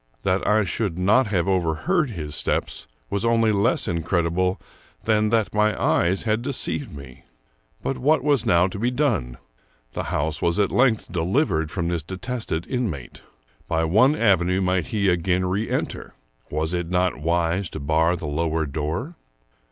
That I should not have overheard his steps was only less incredible than that my eyes had deceived me. But what was now to be done? The house was at length delivered from this detested inmate. By one avenue might he again reenter. Was it not wise to bar the lower door?